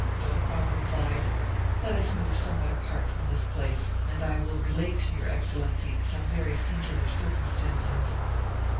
Don Juan replied, "Let us move somewhat apart from this place, and I will relate to your excellency some very singular circumstances."